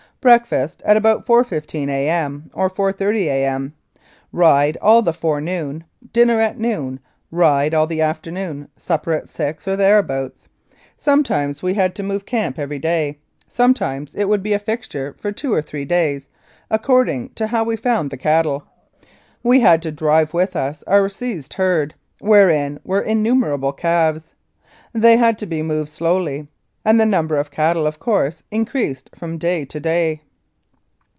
Breakfast at about 4.15 A.M. or 4.30 A.M. Ride all the forenoon, dinner at noon ; ride all the afternoon, supper at 6 P.M. or thereabouts. Sometimes we had to move camp every day, sometimes it would be a fixture for two or three days, according to how we found the cattle. We had to drive with us our seized herd, wherein were innumerable calves. They had to be moved slowly, and the number of cattle, of course, increased from day to day.